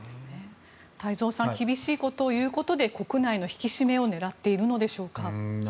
太蔵さん厳しいことを言うことで国内の引き締めを狙っているのでしょうか。